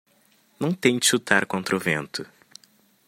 Não tente chutar contra o vento.